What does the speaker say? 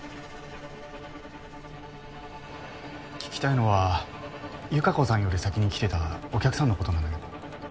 聞きたいのは由香子さんより先に来てたお客さんの事なんだけど。